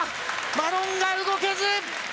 マロンガ、動けず。